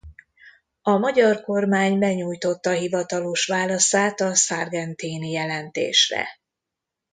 A magyar kormány benyújtotta hivatalos válaszát a Sargentini-jelentésre.